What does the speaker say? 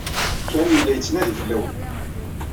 Ken yella yettnadi fell-awen.